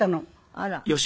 あら。